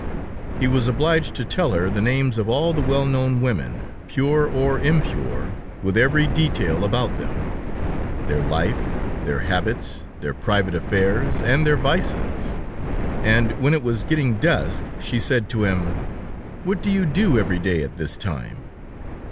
He was obliged to tell her the names of all the well known women, pure or impure, with every detail about them; their life, their habits, their private affairs, and their vices; and when it was getting dusk, she said to him: "What do you do every day at this time?"